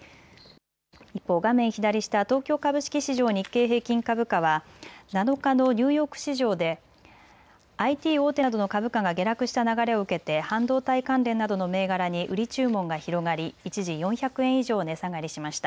一方、画面左下東京株式市場、日経平均株価は７日のニューヨーク市場でＩＴ大手などの株価が下落した流れを受けて半導体関連などの銘柄に売り注文が広がり一時、４００円以上値下がりしました。